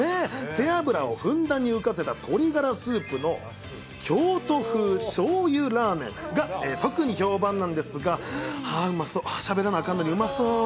背脂をふんだんに浮かせた鶏がらスープの京都風しょうゆラーメンが特に評判なんですが、あー、うまそ、しゃべらなあかんのに、うまそー。